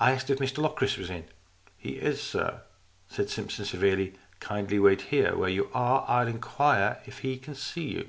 I asked if Mr Locris was in. "He is, sir," said Simpson, severely. "Kindly wait where you are. I'll inquire if he can see you."